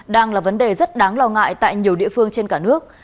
đang là vấn đề rất đáng lo ngại tại nhiều địa phương trên cả nước